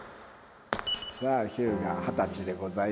さあ日向二十歳でございます。